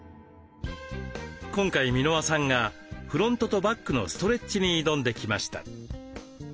今回箕輪さんがフロントとバックのストレッチに挑んできました。